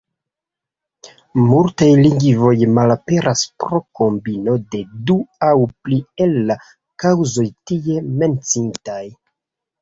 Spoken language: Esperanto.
Multaj lingvoj malaperas pro kombino de du aŭ pli el la kaŭzoj tie menciitaj.